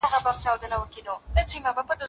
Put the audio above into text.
وروسته ورته فرمايي.